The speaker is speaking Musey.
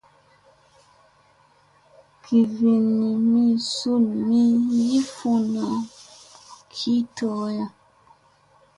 Givin mi sun mi yii funa ki tooya.